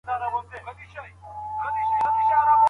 ایا لوی صادروونکي تور ممیز صادروي؟